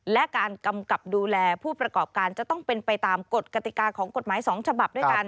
และการกำกับดูแลผู้ประกอบการจะต้องเป็นไปตามกฎกติกาของกฎหมาย๒ฉบับด้วยกัน